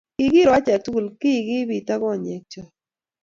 Kikiro achek tukul keikibit akonyek chok